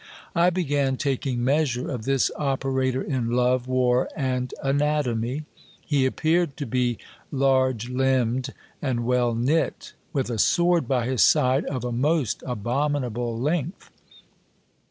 I began taking measure of this operator in love, war, and anatomy. He appeared to be large limbed and well knit, with a sword by his side of a most abominable length.